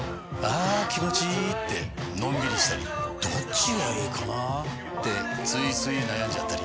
あ気持ちいいってのんびりしたりどっちがいいかなってついつい悩んじゃったり。